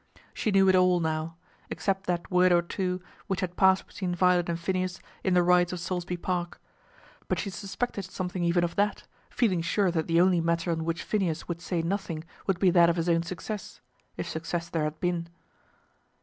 She knew it all now, except that word or two which had passed between Violet and Phineas in the rides of Saulsby Park. But she suspected something even of that, feeling sure that the only matter on which Phineas would say nothing would be that of his own success, if success there had been.